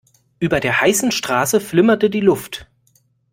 Über der heißen Straße flimmerte die Luft.